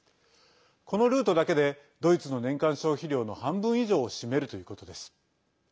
このルートだけでドイツの年間消費量の半分以上を占めるということです。